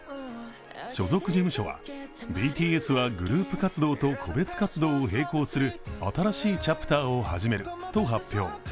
所属事務所は、ＢＴＳはグループ活動と個別活動を並行する新しいチャプターを始めると発表。